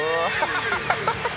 「ハハハハ！